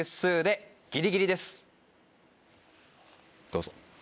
どうぞ。